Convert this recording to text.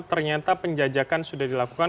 ternyata penjajakan sudah dilakukan